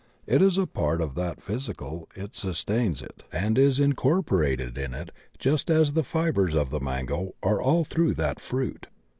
It is a part of that physical, it sustains it and is incorporated in it just as the fibres of the mango are aU through that fruit.